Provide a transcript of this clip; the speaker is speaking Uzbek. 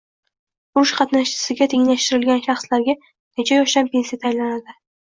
Urush qatnashchisiga tenglashtirilgan shaxslarga necha yoshdan pensiya tayinlanadi?